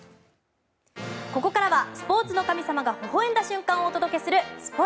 ここからはスポーツの神様がほほ笑んだ瞬間をお届けするスポ